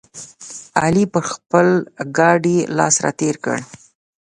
علي پر خپل ګاډي لاس راتېر کړ.